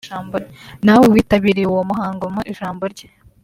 na we witabiriye uwo muhango mu ijambo rye